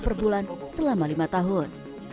per bulan selama lima tahun